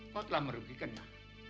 kau telah merugikannya